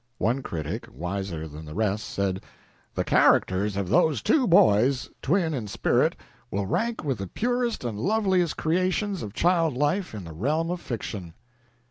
One critic, wiser than the rest, said: "The characters of those two boys, twin in spirit, will rank with the purest and loveliest creations of child life in the realm of fiction."